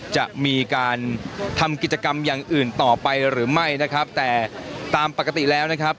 จะมีการทำกิจกรรมอย่างอื่นต่อไปหรือไม่นะครับแต่ตามปกติแล้วนะครับ